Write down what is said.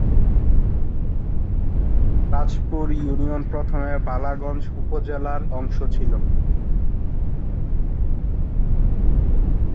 Tajpur union প্রথমে বালাগঞ্জ উপজেলার অংশ ছিল।